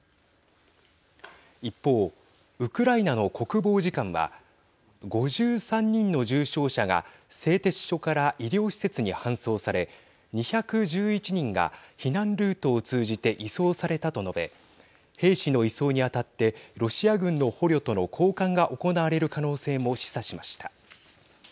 一方、ウクライナの国防次官は５３人の重傷者が製鉄所から医療施設に搬送され２１１人が避難ルートを通じて移送されたと述べ兵士の移送にあたってロシア軍の捕虜との交換が行われる可能性も示唆しました。